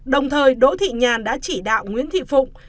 đồng thời đỗ thị nhàn đã chỉ đạo nguyễn thị phụng